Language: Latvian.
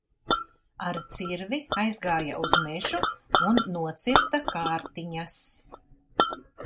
Ar cirvi aizgāja uz mežu un nocirta kārtiņas.